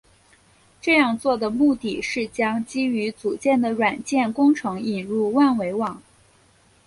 这样做的目的是将基于组件的软件工程引入万维网。